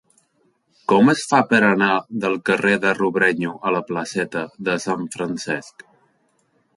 Com es fa per anar del carrer de Robrenyo a la placeta de Sant Francesc?